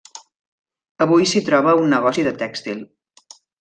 Avui s'hi troba un negoci de tèxtil.